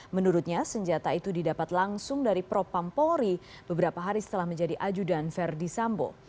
menurutnya senjata itu didapat langsung dari propam polri beberapa hari setelah menjadi ajudan verdi sambo